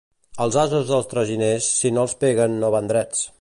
Als ases dels traginers, si no els peguen, no van drets.